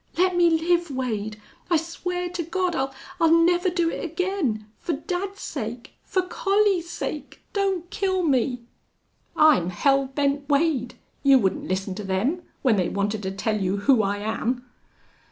Let me live, Wade. I swear to God I'll I'll never do it again.... For dad's sake for Collie's sake don't kill me!" "I'm Hell Bent Wade!... You wouldn't listen to them when they wanted to tell you who I am!"